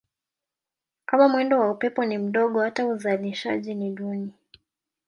Kama mwendo wa upepo ni mdogo hata uzalishaji ni duni.